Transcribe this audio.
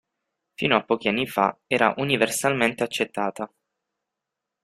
Fino a pochi anni fa era universalmente accettata.